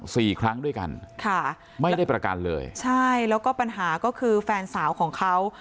สี่ครั้งด้วยกันค่ะไม่ได้ประกันเลยใช่แล้วก็ปัญหาก็คือแฟนสาวของเขา